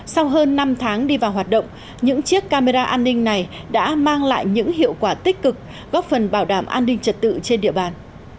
sau hơn năm tháng đi vào hoạt động những chiếc camera an ninh này đã mang lại những hiệu quả tích cực góp phần bảo đảm an ninh trật tự trên địa bàn